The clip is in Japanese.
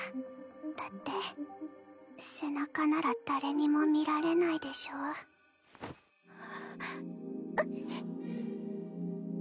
だって背中なら誰にも見られないでしょあぁうっ！